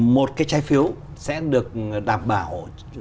một cái trái phiếu sẽ được đảm bảo